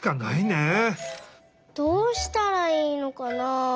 どうしたらいいのかな？